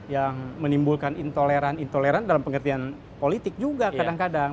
yang menimbulkan intoleran intoleran dalam pengertian politik juga kadang kadang